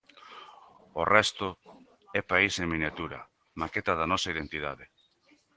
O resto é país en miniatura, maqueta da nosa identidade.